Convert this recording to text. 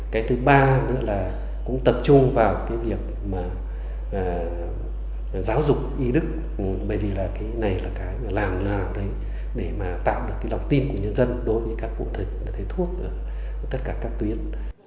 cái thứ ba nữa là tập trung vào việc giáo dục y đức bởi vì cái này là cái làm nào để tạo được lọc tin của nhân dân đối với các vụ thể thuốc của tất cả các tuyến